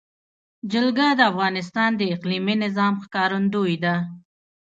جلګه د افغانستان د اقلیمي نظام ښکارندوی ده.